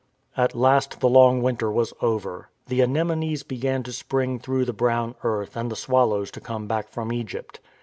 At last the long winter was over. The anemones began to spring through the brown earth and the swal lows to come back from Egypt.